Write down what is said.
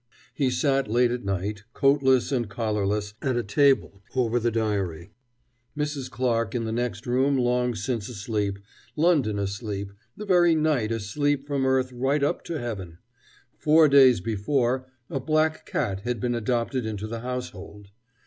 He sat late at night, coatless and collarless, at a table over the diary, Mrs. Clarke in the next room long since asleep, London asleep, the very night asleep from earth right up to heaven. Four days before a black cat had been adopted into the household.